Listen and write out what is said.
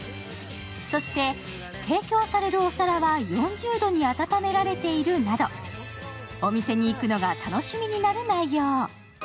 そして、提供されるお皿は４０度に温められているなど、お店に行くのが楽しみになる内容。